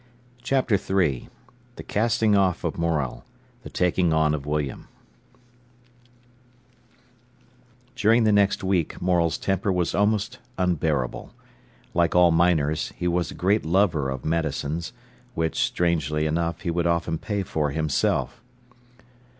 CHAPTER III THE CASTING OFF OF MOREL—THE TAKING ON OF WILLIAM During the next week Morel's temper was almost unbearable. Like all miners, he was a great lover of medicines, which, strangely enough, he would often pay for himself.